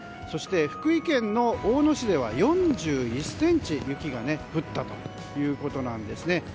そして、福井県の大野市では４１ｃｍの雪が降ったということなんです。